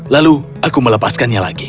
lalu aku melepaskannya lagi